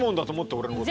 俺のこと。